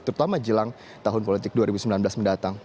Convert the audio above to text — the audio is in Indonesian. terutama jelang tahun politik dua ribu sembilan belas mendatang